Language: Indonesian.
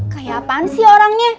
kayapan sih orangnya